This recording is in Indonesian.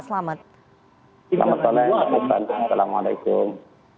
selamat malam assalamualaikum